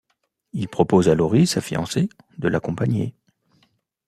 Il propose à Lori, sa fiancée, de l'accompagner.